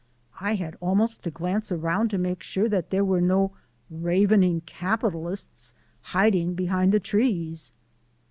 I had almost to glance around to make sure that there were no ravening capitalists hiding behind the trees.